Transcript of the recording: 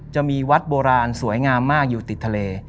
จะมีวัดโบราณสวยงามมากอยู่ติดทะเล